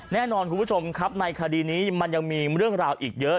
แน่นอนคุณผู้ชมครับในคดีนี้มันยังมีเรื่องราวอีกเยอะ